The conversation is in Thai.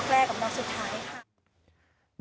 แล้วก็จะมีเขียนใน๙ไทยในล็อคแรกกับล็อคสุดท้ายค่ะ